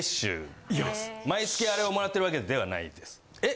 毎月あれを貰ってるわけではないです。え？